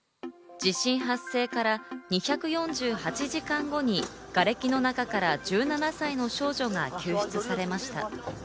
地震発生から２４８時間後に、がれきの中から１７歳の少女が救出されました。